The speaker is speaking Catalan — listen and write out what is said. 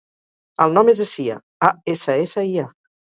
El nom és Assia: a, essa, essa, i, a.